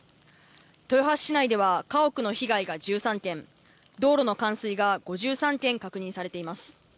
豊橋市内では家屋の被害が１３件、道路の冠水が５３軒確認されています。